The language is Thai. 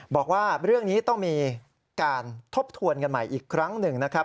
บอกว่าเรื่องนี้ต้องมีการทบทวนกันใหม่อีกครั้งหนึ่งนะครับ